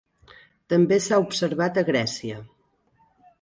També s'ha observat a Grècia.